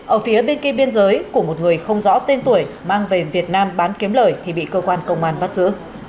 ở phía bên kia biên giới của một người không rõ tên tuổi mang về việt nam bán kiếm lời thì bị cơ quan công an bắt giữ